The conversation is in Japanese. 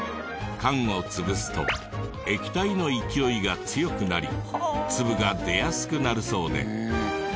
缶を潰すと液体の勢いが強くなり粒が出やすくなるそうで。